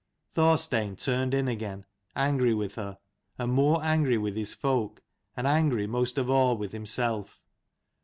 Thorstein turned in again, angry with her, and more angry with his folk, and angry most of all with himself.